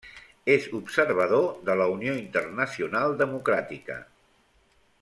És observador de la Unió Internacional Democràtica.